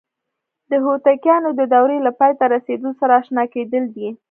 د هوتکیانو د دورې له پای ته رسیدو سره آشنا کېدل دي.